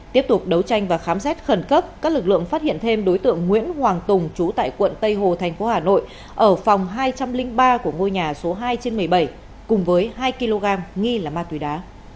tiếp tục đấu tranh và khám xét khẩn cấp các lực lượng phát hiện thêm đối tượng nguyễn hoàng tùng trú tại quận tây hồ thành phố hà nội ở phòng hai trăm linh ba của ngôi nhà số hai trên một mươi bảy cùng với hai kg nghi là ma túy đá